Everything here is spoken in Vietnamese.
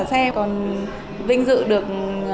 xem còn vinh dự được